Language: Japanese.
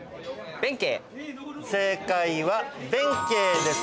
正解は弁慶です。